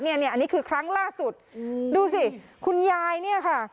เนี่ยเนี่ยอันนี้คือครั้งล่าสุดอืมดูสิคุณยายเนี่ยค่ะ